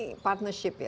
ini partnership ya